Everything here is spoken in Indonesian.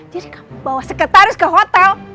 jadi kamu bawa sekretaris ke hotel